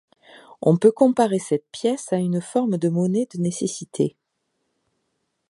On peut comparer cette pièce à une forme de monnaie de nécessité.